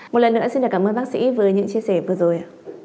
một lần nữa xin cảm ơn bác sĩ với những chia sẻ vừa rồi